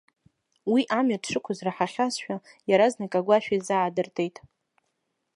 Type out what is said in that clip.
Уи амҩа дшықәыз раҳахьазшәа, иаразнак агәашә изаадыртит.